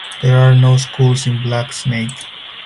There are no schools in Black Snake.